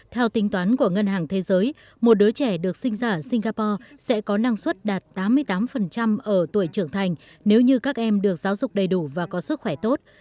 theo tính toán của ngân hàng thế giới một đứa trẻ được sinh ra ở singapore sẽ có năng suất đạt tám mươi tám ở tuổi trưởng thành nếu như các em được giáo dục đầy đủ và có sức khỏe tốt